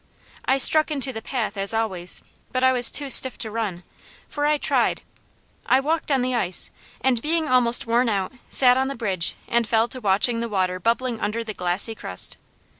I struck into the path as always; but I was too stiff to run, for I tried. I walked on the ice, and being almost worn out, sat on the bridge and fell to watching the water bubbling under the glassy crust.